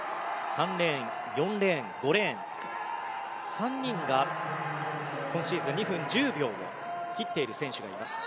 ３レーン、４レーン、５レーン３人が今シーズン２分１０秒を切っている選手がいます。